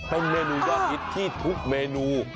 เป็นเมนูยอดฮิตที่ทุกเมนู